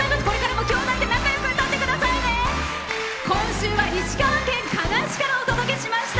今週は石川県加賀市からお届けしました。